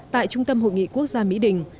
tại trung tâm hội nghị quốc gia mỹ đình